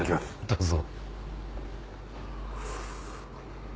どうぞ。